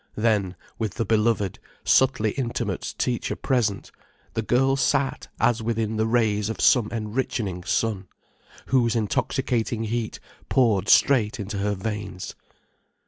Then, with the beloved, subtly intimate teacher present, the girl sat as within the rays of some enrichening sun, whose intoxicating heat poured straight into her veins.